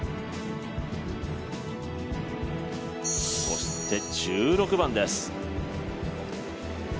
そして１６番です。